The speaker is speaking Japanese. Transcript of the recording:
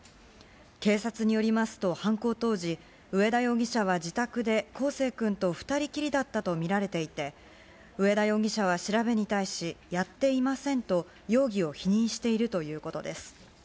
警察によりますと、犯行当時、上田容疑者は自宅で康生くんと２人きりだったと見られていて、上田容疑者は調べに対し、やっていませんと、容疑を否認しているということです。